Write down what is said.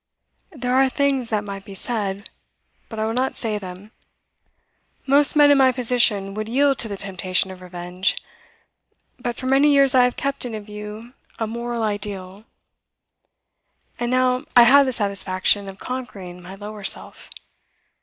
'There are things that might be said, but I will not say them. Most men in my position would yield to the temptation of revenge. But for many years I have kept in view a moral ideal, and now I have the satisfaction of conquering my lower self.